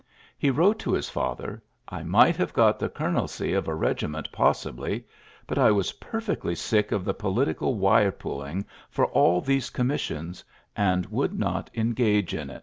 He wrote to his father, "I might have got the colonelcy of a regi ment possibly 5 but I was perfectly sick of the political wire pulling for all these commissioiis, and would not engage in it.'